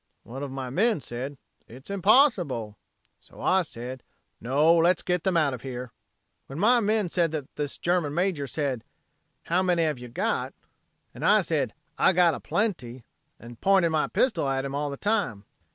One of my men said, 'It's impossible.' So I said, 'No, let's get them out of here.' "When my men said that this German major said, 'How many have you got?' "And I said, 'I got a plenty,' and pointed my pistol at him all the time.